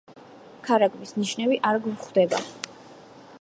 ქარაგმის ნიშნები არ გვხვდება.